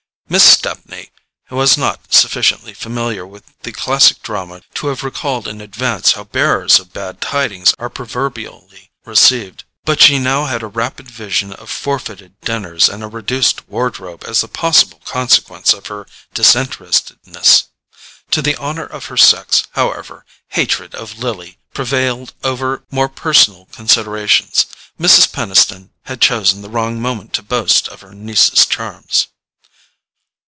Miss Stepney was not sufficiently familiar with the classic drama to have recalled in advance how bearers of bad tidings are proverbially received, but she now had a rapid vision of forfeited dinners and a reduced wardrobe as the possible consequence of her disinterestedness. To the honour of her sex, however, hatred of Lily prevailed over more personal considerations. Mrs. Peniston had chosen the wrong moment to boast of her niece's charms.